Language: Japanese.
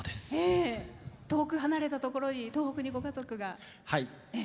遠く離れたところにご家族が。